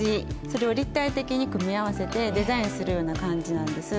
それを立体的に組み合わせてデザインするような感じなんです。